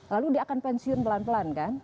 lalu dia akan pensiun pelan pelan kan